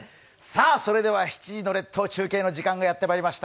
それでは７時の列島中継の時間がやってきました。